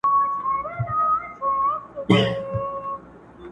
تر غوړ لمر لاندي يې تل كول مزلونه!